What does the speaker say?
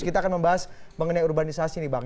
kita akan membahas mengenai urbanisasi nih bang